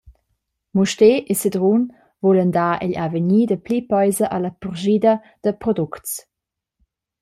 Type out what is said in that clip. Mustér e Sedrun vulan dar egl avegnir dapli peisa alla purschida da products.